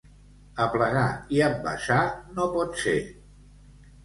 Aplegar i envasar, no pot ser.